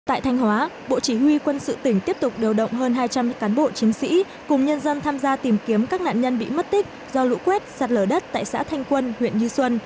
tại thanh hóa bộ chỉ huy quân sự tỉnh tiếp tục điều động hơn hai trăm linh cán bộ chiến sĩ cùng nhân dân tham gia tìm kiếm các nạn nhân bị mất tích do lũ quét sạt lở đất tại xã thanh quân huyện như xuân